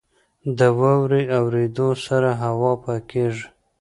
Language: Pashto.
• د واورې اورېدو سره هوا پاکېږي.